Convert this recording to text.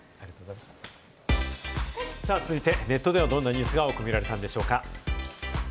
続いてネットでは、どんなニュースが多く見られたのでしょうか？